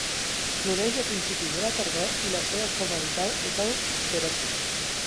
Floreix a principis de la tardor i la seva forma vital és el Teròfit.